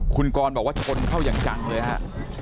คุณกรบอกว่าชนเข้าอย่างจังเลยฮะ